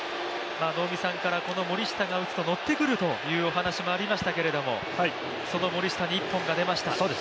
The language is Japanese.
能見さんから、この森下が打つとのってくるというお話もありましたけれどもその森下に一本が出ました。